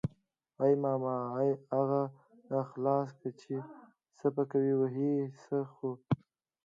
ای ماما اغه خلاص که څه پې کوي وهي خو يې نه.